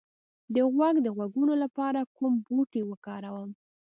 د غوږ د غږونو لپاره کوم بوټی وکاروم؟